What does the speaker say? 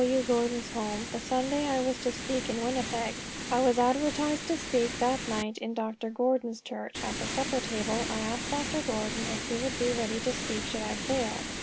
W. Gordon's home the Sunday I was to speak in Winnipeg, I was advertised to speak that night in Dr. Gordon's church. At the supper table I asked Dr. Gordon if he would be ready to speak should I fail.